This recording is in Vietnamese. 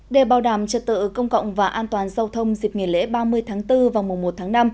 để bảo đảm trật tự công cộng và an toàn giao thông dịp nghỉ lễ ba mươi tháng bốn và mùa một tháng năm